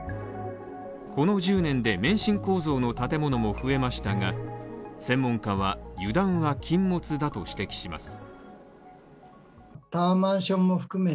この１０年で免震構造の建物も増えましたが、専門家は、油断は禁物だと指摘します。